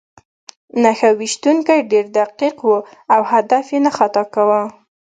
نښه ویشتونکی ډېر دقیق و او هدف یې نه خطا کاوه